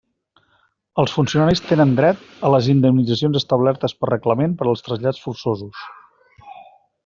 Els funcionaris tenen dret a les indemnitzacions establertes per reglament per als trasllats forçosos.